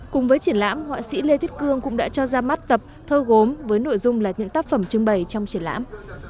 cùng với triển lãm họa sĩ lê thiết cương cũng đã cho ra mắt tập thơ gốm với nội dung là những tác phẩm trưng bày trong triển lãm